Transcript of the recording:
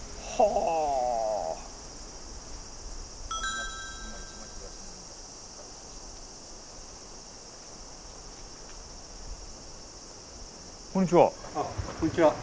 あこんにちは。